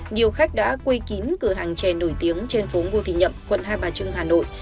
nhiều khách đã quay kín cửa hàng chè nổi tiếng trên phố ngô thị nhậm quận hai bà trưng hà nội